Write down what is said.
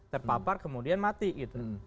terpapar kemudian mati gitu